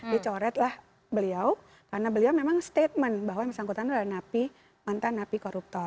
dicoretlah beliau karena beliau memang statement bahwa yang bersangkutan adalah napi mantan napi koruptor